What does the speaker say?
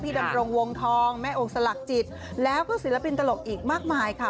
ดำรงวงทองแม่องค์สลักจิตแล้วก็ศิลปินตลกอีกมากมายค่ะ